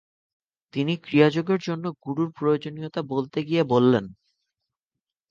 তিনি ক্রিয়াযোগের জন্য গুরুর প্রয়োজনীয়তা বলতে গিয়ে বলেন: